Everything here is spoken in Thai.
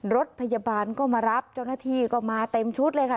รถพยาบาลก็มารับเจ้าหน้าที่ก็มาเต็มชุดเลยค่ะ